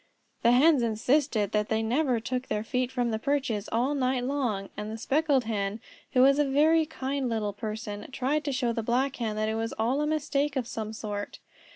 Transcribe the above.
The Hens insisted that they never took their feet from the perches all night long, and the Speckled Hen, who was a very kind little person, tried to show the Black Hen that it was all a mistake of some sort.